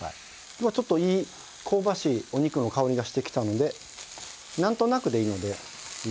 今ちょっといい香ばしいお肉の香りがしてきたのでなんとなくでいいのでざっくりと。